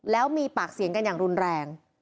แล้วมีปากเสียงกันอย่างรุนแรง